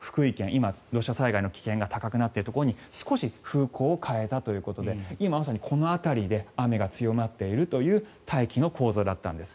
今、土砂災害の危険が高くなっているところに少し、風向を変えたということで今まさにこの辺りで雨が強まっているという大気の構造だったんです。